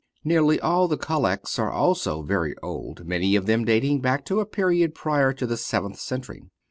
Nearly all the collects are also very old, many of them dating back to a period prior to the seventh century.